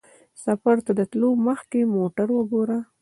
سفر ته د تلو مخکې موټر وګوره.